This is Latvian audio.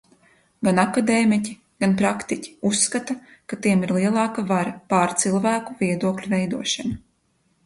Gan akadēmiķi, gan praktiķi uzskata, ka tiem ir lielāka vara pār cilvēku viedokļu veidošanu.